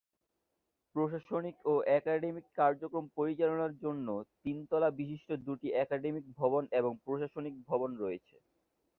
প্রশাসনিক ও একাডেমিক কার্যক্রম পরিচালনার জন্য তিন তলা বিশিষ্ট দু’টি একাডেমিক ভবন এবং প্রশাসনিক ভবন রয়েছে।